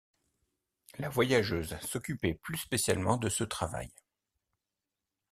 La voyageuse s’occupait plus spécialement de ce travail.